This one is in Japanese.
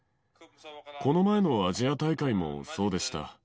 この前のアジア大会もそうでした。